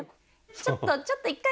ちょっとちょっと１回。